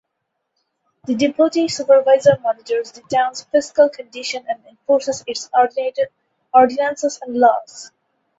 The Deputy Supervisor monitors the town's fiscal condition and enforces its ordinances and laws.